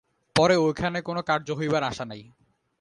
পরে ওখানে কোন কার্য হইবার আশা নাই।